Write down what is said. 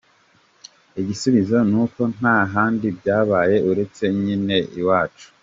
Igisubuzo ni uko nta handi byabaye, uretse nyine iwacu!